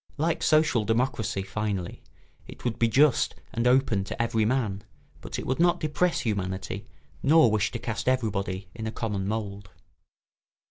Like social democracy, finally, it would be just and open to every man, but it would not depress humanity nor wish to cast everybody in a common mould.